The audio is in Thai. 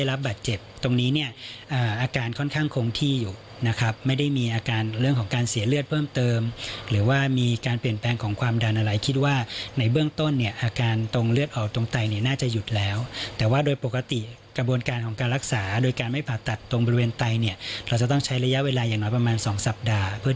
รับบาดเจ็บตรงนี้เนี่ยอาการค่อนข้างคงที่อยู่นะครับไม่ได้มีอาการเรื่องของการเสียเลือดเพิ่มเติมหรือว่ามีการเปลี่ยนแปลงของความดันอะไรคิดว่าในเบื้องต้นเนี่ยอาการตรงเลือดออกตรงไตเนี่ยน่าจะหยุดแล้วแต่ว่าโดยปกติกระบวนการของการรักษาโดยการไม่ผ่าตัดตรงบริเวณไตเนี่ยเราจะต้องใช้ระยะเวลาอย่างน้อยประมาณสองสัปดาห์เพื่อ